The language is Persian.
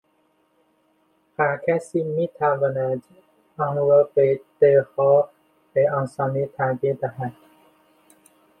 هر کسی میتواند آن را به دلخواه و به آسانی تغییر دهد